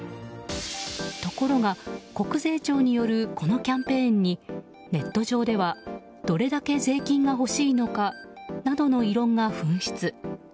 ところが、国税庁によるこのキャンペーンにネット上ではどれだけ税金がほしいのかなどの異論が噴出。